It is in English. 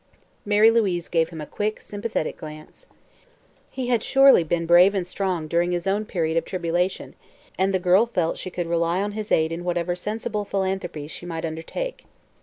Mary Louise gave him a quick, sympathetic glance. He had surely been brave and strong during his own period of tribulation and the girl felt she could rely on his aid in whatever sensible philanthropy she might undertake.